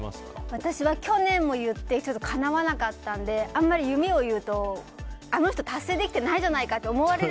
私は去年も言ってかなわなかったんであんまり夢を言うとあの人達成できてないじゃないかとそれもある。